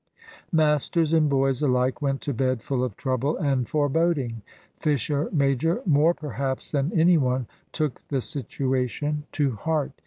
Masters and boys alike went to bed full of trouble and foreboding. Fisher major, more perhaps than any one, took the situation to heart.